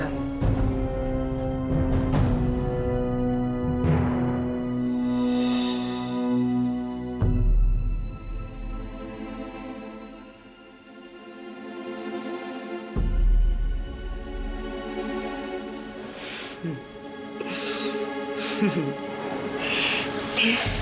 emang kamu dateng sama siapa